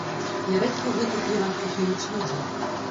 Нярэдка ў гэтых вірах гінуць людзі.